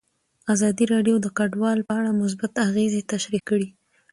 ازادي راډیو د کډوال په اړه مثبت اغېزې تشریح کړي.